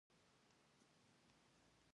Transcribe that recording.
کتابچه د راڼه سبا لاره ده